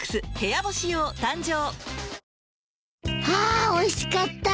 あおいしかった。